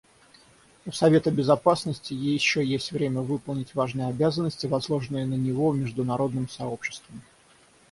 У Совета Безопасности еще есть время выполнить важные обязанности, возложенные на него международным сообществом.